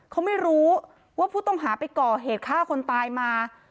เขาไม่รู้ว่าผู้ต้องหาไปก่อเหตุฆ่าคนตายมา